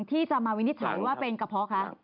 ที่จะมาวินิจฉัยว่าเป็นกระเพาะคะ